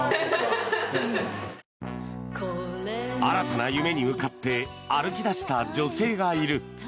新たな夢に向かって歩き出した女性がいる。